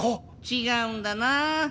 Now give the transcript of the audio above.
違うんだな。